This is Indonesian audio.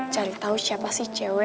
cari tahu siapa sih cewek